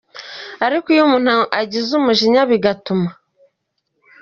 Ariko iyo umuntu agize umujinya bigatuma.